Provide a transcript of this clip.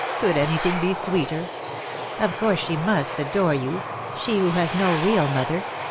Could anything be sweeter? Of course she must adore you. She who has no real mother.